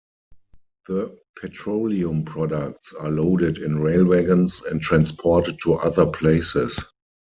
The petroleum products are loaded in rail wagons and transported to other places.